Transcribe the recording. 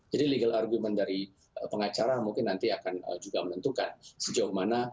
jadi legal argument dari pengacara mungkin nanti akan juga menentukan sejauh mana